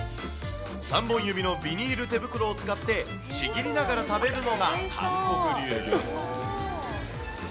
３本指のビニール手袋を使って、ちぎりながら食べるのが韓国流。